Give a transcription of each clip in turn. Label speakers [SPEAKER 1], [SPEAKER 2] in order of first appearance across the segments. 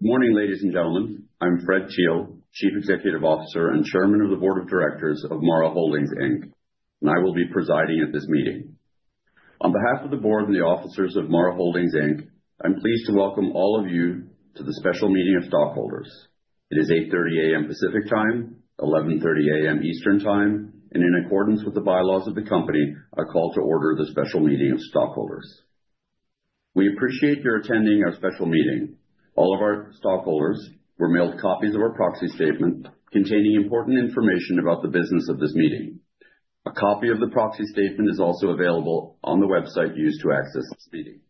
[SPEAKER 1] Good morning, ladies and gentlemen. I'm Fred Thiel, Chief Executive Officer and Chairman of the Board of Directors of MARA Holdings Inc., and I will be presiding at this meeting. On behalf of the board and the officers of MARA Holdings Inc., I'm pleased to welcome all of you to the special meeting of stockholders. It is 8:30 A.M. Pacific Time, 11:30 A.M. Eastern Time, and in accordance with the bylaws of the company, a call to order the special meeting of stockholders. We appreciate your attending our special meeting. All of our stockholders were mailed copies of our proxy statement containing important information about the business of this meeting. A copy of the proxy statement is also available on the website used to access this meeting.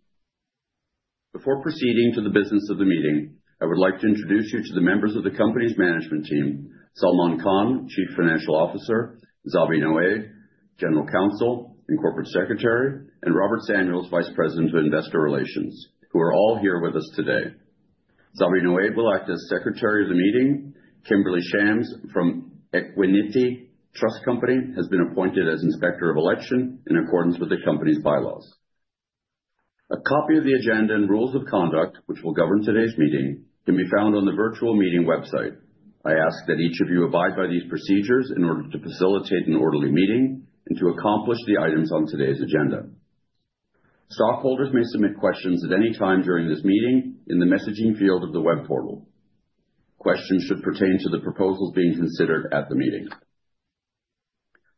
[SPEAKER 1] Before proceeding to the business of the meeting, I would like to introduce you to the members of the company's management team: Salman Khan, Chief Financial Officer; Zabi Nowaid, General Counsel and Corporate Secretary; and Robert Samuels, Vice President of Investor Relations, who are all here with us today. Zabi Nowaid will act as Secretary of the Meeting. Kimberly Shams from Equiniti Trust Company has been appointed as Inspector of Election in accordance with the company's bylaws. A copy of the agenda and rules of conduct, which will govern today's meeting, can be found on the virtual meeting website. I ask that each of you abide by these procedures in order to facilitate an orderly meeting and to accomplish the items on today's agenda. Stockholders may submit questions at any time during this meeting in the messaging field of the web portal. Questions should pertain to the proposals being considered at the meeting.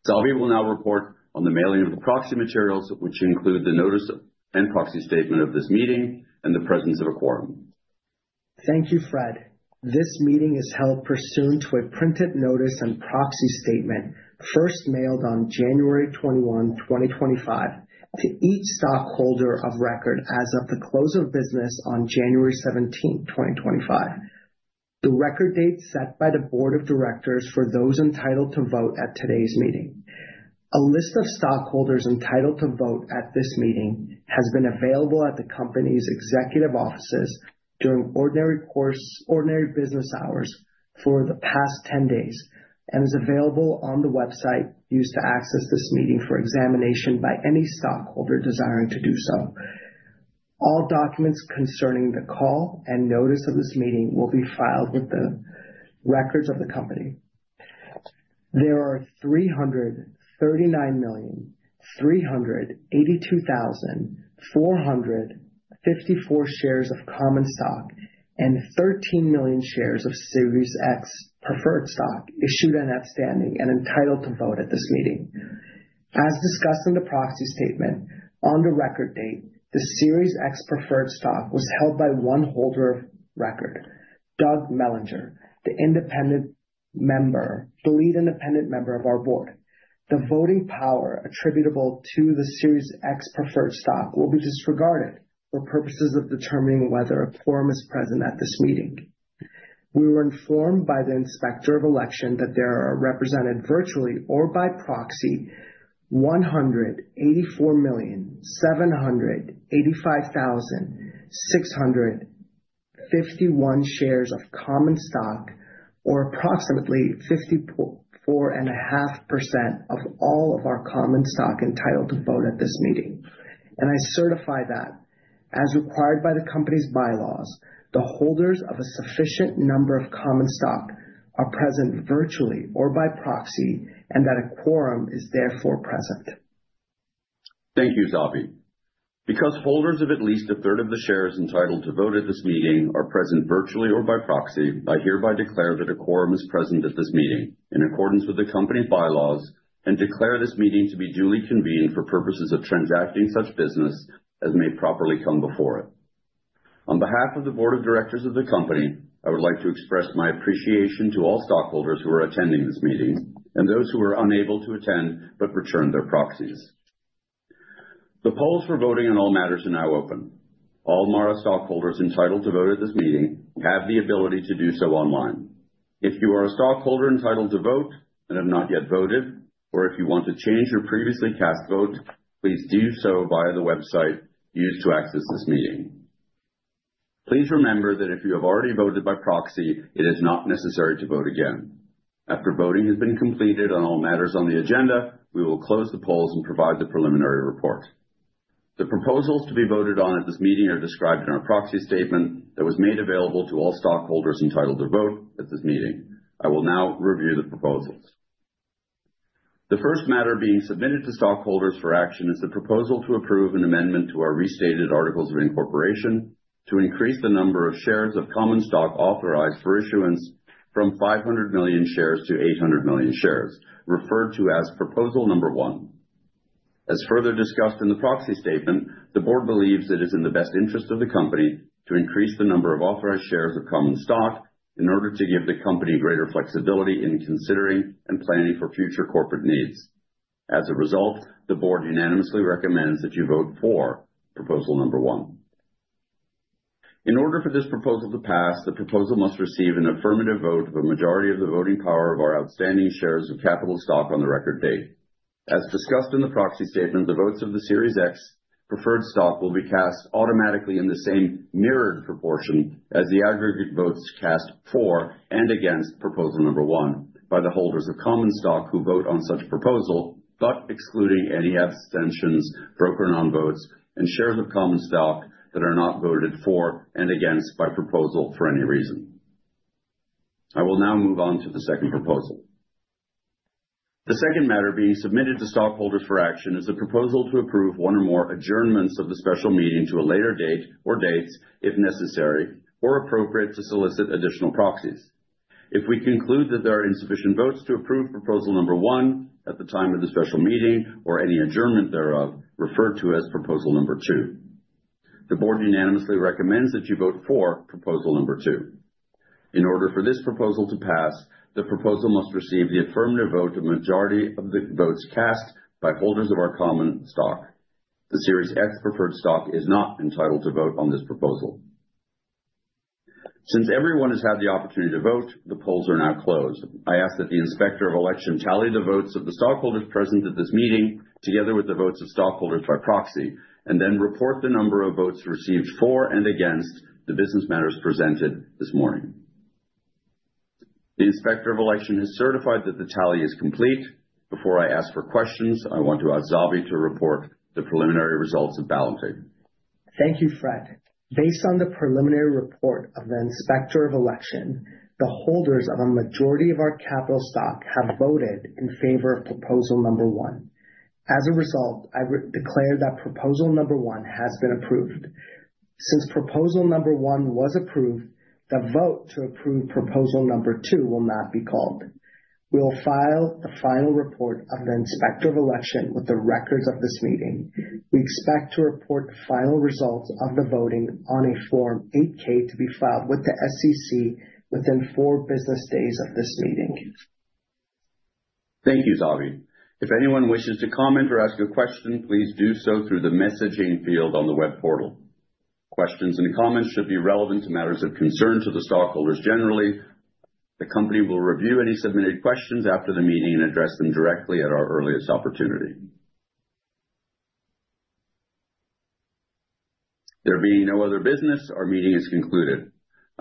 [SPEAKER 1] Zabi will now report on the mailing of the proxy materials, which include the notice and proxy statement of this meeting and the presence of a quorum.
[SPEAKER 2] Thank you, Fred. This meeting is held pursuant to a printed notice and proxy statement first mailed on January 21, 2025, to each stockholder of record as of the close of business on January 17, 2025. The record date set by the Board of Directors for those entitled to vote at today's meeting. A list of stockholders entitled to vote at this meeting has been available at the company's executive offices during ordinary business hours for the past 10 days and is available on the website used to access this meeting for examination by any stockholder desiring to do so. All documents concerning the call and notice of this meeting will be filed with the records of the company. There are 339,382,454 shares of common stock and 13 million shares of Series X preferred stock issued and outstanding and entitled to vote at this meeting. As discussed in the proxy statement on the record date, the Series X preferred stock was held by one holder of record, Doug Mellinger, the independent member, the lead independent member of our board. The voting power attributable to the Series X preferred stock will be disregarded for purposes of determining whether a quorum is present at this meeting. We were informed by the Inspector of Election that there are represented virtually or by proxy 184,785,651 shares of common stock, or approximately 54.5% of all of our common stock entitled to vote at this meeting. I certify that, as required by the company's bylaws, the holders of a sufficient number of common stock are present virtually or by proxy and that a quorum is therefore present.
[SPEAKER 1] Thank you, Zabi. Because holders of at least a third of the shares entitled to vote at this meeting are present virtually or by proxy, I hereby declare that a quorum is present at this meeting in accordance with the company's bylaws and declare this meeting to be duly convened for purposes of transacting such business as may properly come before it. On behalf of the Board of Directors of the company, I would like to express my appreciation to all stockholders who are attending this meeting and those who were unable to attend but returned their proxies. The polls for voting on all matters are now open. All Mara stockholders entitled to vote at this meeting have the ability to do so online. If you are a stockholder entitled to vote and have not yet voted, or if you want to change your previously cast vote, please do so via the website used to access this meeting. Please remember that if you have already voted by proxy, it is not necessary to vote again. After voting has been completed on all matters on the agenda, we will close the polls and provide the preliminary report. The proposals to be voted on at this meeting are described in our proxy statement that was made available to all stockholders entitled to vote at this meeting. I will now review the proposals. The first matter being submitted to stockholders for action is the proposal to approve an amendment to our restated articles of incorporation to increase the number of shares of common stock authorized for issuance from 500 million shares to 800 million shares, referred to as Proposal Number One. As further discussed in the proxy statement, the board believes it is in the best interest of the company to increase the number of authorized shares of common stock in order to give the company greater flexibility in considering and planning for future corporate needs. As a result, the board unanimously recommends that you vote for Proposal Number One. In order for this proposal to pass, the proposal must receive an affirmative vote of a majority of the voting power of our outstanding shares of capital stock on the record date. As discussed in the proxy statement, the votes of the Series X preferred stock will be cast automatically in the same mirrored proportion as the aggregate votes cast for and against Proposal Number One by the holders of common stock who vote on such proposal, but excluding any abstentions, broker non-votes, and shares of common stock that are not voted for and against by proposal for any reason. I will now move on to the second proposal. The second matter being submitted to stockholders for action is the proposal to approve one or more adjournments of the special meeting to a later date or dates, if necessary or appropriate to solicit additional proxies. If we conclude that there are insufficient votes to approve Proposal Number One at the time of the special meeting or any adjournment thereof, referred to as Proposal Number Two, the board unanimously recommends that you vote for Proposal Number Two. In order for this proposal to pass, the proposal must receive the affirmative vote of a majority of the votes cast by holders of our common stock. The Series X preferred stock is not entitled to vote on this proposal. Since everyone has had the opportunity to vote, the polls are now closed. I ask that the Inspector of Election tally the votes of the stockholders present at this meeting together with the votes of stockholders by proxy and then report the number of votes received for and against the business matters presented this morning. The Inspector of Election has certified that the tally is complete. Before I ask for questions, I want to ask Zabi to report the preliminary results of balloting.
[SPEAKER 2] Thank you, Fred. Based on the preliminary report of the Inspector of Election, the holders of a majority of our capital stock have voted in favor of Proposal Number One. As a result, I declare that Proposal Number One has been approved. Since Proposal Number One was approved, the vote to approve Proposal Number Two will not be called. We will file the final report of the Inspector of Election with the records of this meeting. We expect to report final results of the voting on a Form 8-K to be filed with the SEC within four business days of this meeting.
[SPEAKER 1] Thank you, Zabi. If anyone wishes to comment or ask a question, please do so through the messaging field on the web portal. Questions and comments should be relevant to matters of concern to the stockholders generally. The company will review any submitted questions after the meeting and address them directly at our earliest opportunity. There being no other business, our meeting is concluded.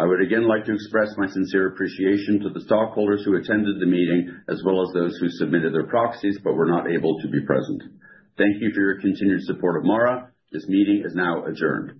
[SPEAKER 1] I would again like to express my sincere appreciation to the stockholders who attended the meeting, as well as those who submitted their proxies but were not able to be present. Thank you for your continued support of MARA. This meeting is now adjourned.